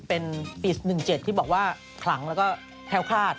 เป็นปี๑๗ที่บอกว่าขลังแล้วก็แค้วคาด